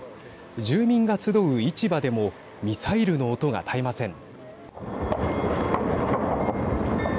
住民が集う市場でもミサイルの音が絶えません。